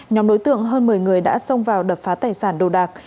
nhóm đối tượng hơn một mươi người đã xông vào đập phá tài sản đồ đạc